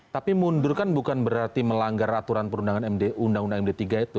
tapi mundur kan bukan berarti melanggar aturan perundangan undang undang md tiga itu